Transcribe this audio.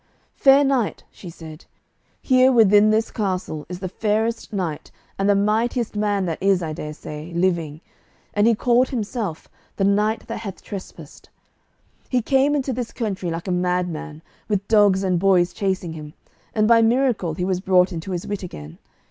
"Fair knight," she said, "here within this castle is the fairest knight and the mightiest man that is, I dare say, living, and he calleth himself 'The knight that hath trespassed.' He came into this country like a mad man, with dogs and boys chasing him, and by miracle he was brought into his wit again.